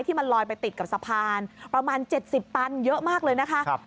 มันลอยไปติดกับสะพานประมาณ๗๐ตันเยอะมากเลยนะคะ